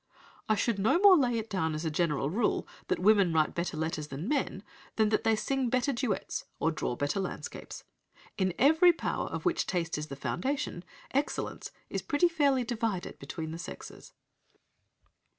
"'I should no more lay it down as a general rule that women write better letters than men, than that they sing better duets, or draw better landscapes. In every power, of which taste is the foundation, excellence is pretty fairly divided between the sexes.'"